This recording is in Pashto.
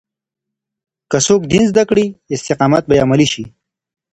که څوک دين زده کړي، استقامت به يې عملي شي.